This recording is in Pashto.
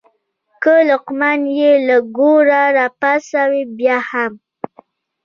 که لقمان یې له ګوره راپاڅوې بیا هم.